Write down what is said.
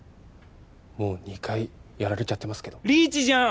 もう２回やられちゃってますけどリーチじゃん！